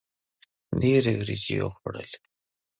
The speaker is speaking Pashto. ډېري وریجي یې وخوړلې.